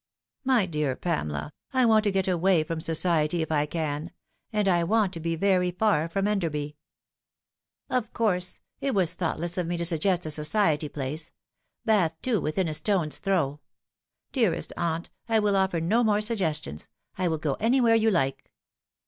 " My dear Pamela, I want to get away from society if I can ; and I want to be very far from Enderby." " Of course. It was thoughtless of me to suggest a society place. Bath, too, within a stone's throw. Dearest aunt, I will offer no more suggestions. I will go anywhere you like."